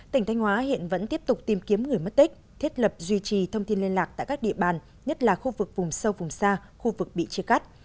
tỉnh thanh hóa hiện vẫn tiếp tục tìm kiếm người mất tích thiết lập duy trì thông tin liên lạc tại các địa bàn nhất là khu vực vùng sâu vùng xa khu vực bị chia cắt